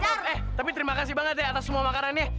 maaf maaf maaf eh tapi terima kasih banget ya atas semua makarannya